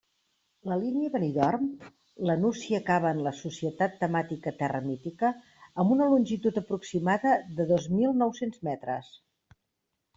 La línia Benidorm — la Nucia acaba en la Societat Temàtica Terra Mítica, amb una longitud aproximada de dos mil nou-cents metres.